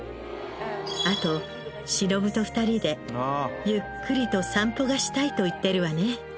あと忍と２人でゆっくりと散歩がしたいと言ってるわね。